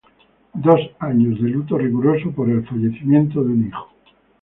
Dos años de luto riguroso por el fallecimiento de un hijo.